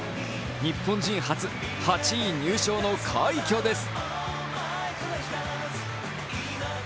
日本人初８位入賞の快挙です。